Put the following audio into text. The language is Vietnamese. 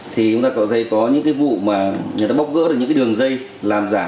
thì chúng ta có những cái vụ mà người ta bóc gỡ được những cái đường giấy làm giả